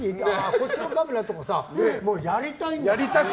こっちのカメラ？とかもう、やりたいんだよ。